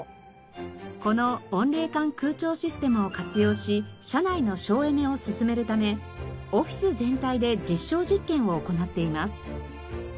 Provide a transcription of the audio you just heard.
この温冷感空調システムを活用し社内の省エネを進めるためオフィス全体で実証実験を行っています。